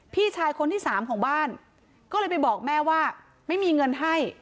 พี่ชายคนที่สามของบ้านก็เลยไปบอกแม่ว่าไม่มีเงินให้